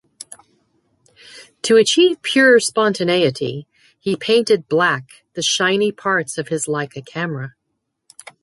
To achieve pure spontaneity he painted black the shiny parts of his Leica camera.